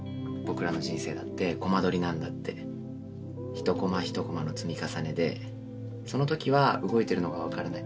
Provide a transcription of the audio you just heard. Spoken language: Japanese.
ひとコマひとコマの積み重ねでその時は動いてるのがわからない。